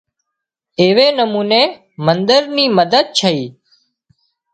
ايوي نموني منۮر ني مدد ڇئي